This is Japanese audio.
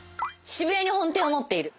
渋谷に本店を持っている。